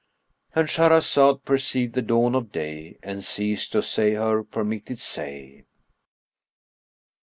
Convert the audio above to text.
"—And Shahrazad perceived the dawn of day and ceased to say her permitted say.